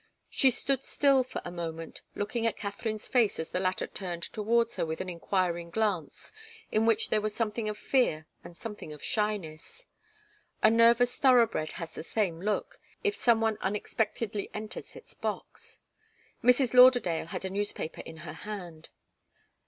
She stood still for a moment, looking at Katharine's face as the latter turned towards her with an enquiring glance, in which there was something of fear and something of shyness. A nervous thoroughbred has the same look, if some one unexpectedly enters its box. Mrs. Lauderdale had a newspaper in her hand.